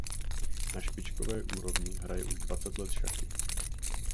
Na špičkové úrovni hraje už dvacet let šachy.